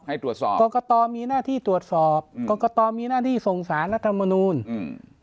ให้ตรวจสอบกรกตมีหน้าที่ตรวจสอบอืมกรกตมีหน้าที่ส่งสารรัฐมนูลอืม